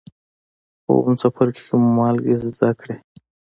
په اووم څپرکي کې مو مالګې زده کړې.